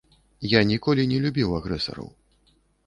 Я ніколі не любіў агрэсараў.